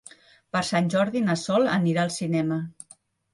Per Sant Jordi na Sol anirà al cinema.